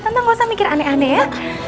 tentang gak usah mikir aneh aneh ya